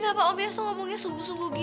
nggak bisa begini